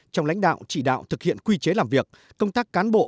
trong lãnh đạo chỉ đạo thực hiện quy chế làm việc công tác cán bộ